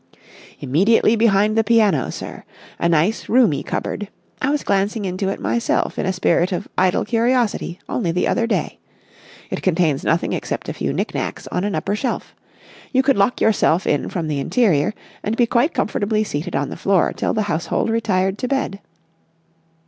"Immediately behind the piano, sir. A nice, roomy cupboard. I was glancing into it myself in a spirit of idle curiosity only the other day. It contains nothing except a few knick knacks on an upper shelf. You could lock yourself in from the interior, and be quite comfortably seated on the floor till the household retired to bed."